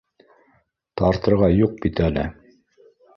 — Тартырға юҡ бит әле